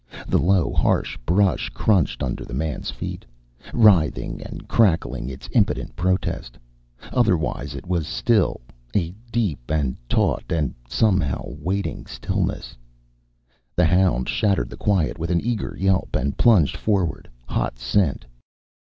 The low harsh brush crunched under the man's feet, writhing and crackling its impotent protest. Otherwise it was still, a deep and taut and somehow waiting stillness. The hound shattered the quiet with an eager yelp and plunged forward. Hot scent!